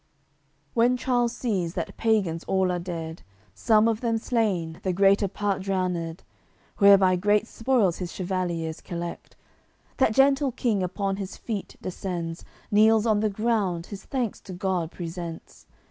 CLXXXI When Charles sees that pagans all are dead, Some of them slain, the greater part drowned; (Whereby great spoils his chevaliers collect) That gentle King upon his feet descends, Kneels on the ground, his thanks to God presents.